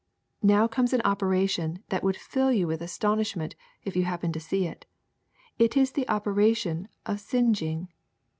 *^Now comes an operation that would fill you with astonishment if you happened to see it: it is the operation of singeing.